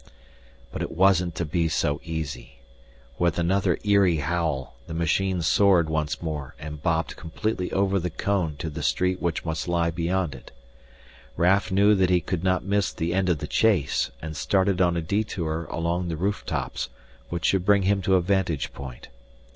But it wasn't to be so easy. With another eerie howl the machine soared once more and bobbed completely over the cone to the street which must lie beyond it. Raf knew that he could not miss the end of the chase and started on a detour along the roof tops which should bring him to a vantage point.